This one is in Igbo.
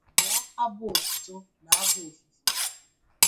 bụọ abụ otuto na abụ ofufe